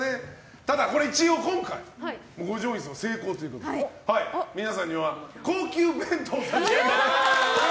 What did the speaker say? ただ、一応今回五条院さん成功ということで皆さんには高級弁当を差し上げます！